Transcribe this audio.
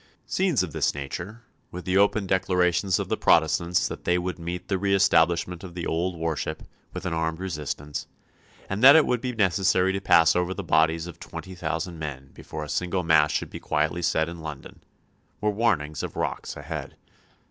Scenes of this nature, with the open declarations of the Protestants that they would meet the re establishment of the old worship with an armed resistance, and that it would be necessary to pass over the bodies of twenty thousand men before a single Mass should be quietly said in London, were warnings of rocks ahead.